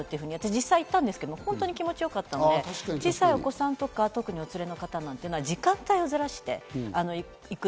実際行ったんですけど、本当に気持ち良かったので、小さいお子さんとかを連れていらっしゃる方なんかは、時間をずらしていく。